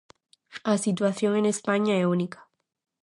A situación en España é única.